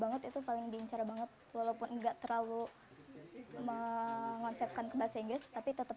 banget itu paling diincar banget walaupun enggak terlalu mengunsepkan ke bahasa inggris tapi tetap